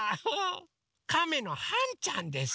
カメのはんちゃんです。